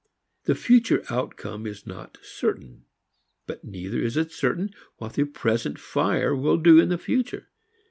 The future outcome is not certain. But neither is it certain what the present fire will do in the future.